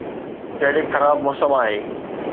ڪهڙي خراب موسم آهي!